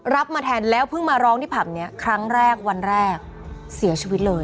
มาแทนแล้วเพิ่งมาร้องที่ผับนี้ครั้งแรกวันแรกเสียชีวิตเลย